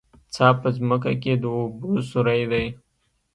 څا په ځمکه کې د اوبو سوری دی